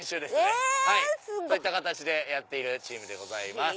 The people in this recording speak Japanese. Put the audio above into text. こういった形でやっているチームでございます。